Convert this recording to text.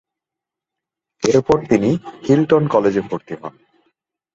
এরপর তিনি হিল্টন কলেজে ভর্তি হন।